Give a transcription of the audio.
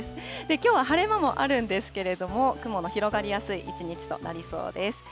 きょうは晴れ間もあるんですけれども、雲の広がりやすい一日となりそうです。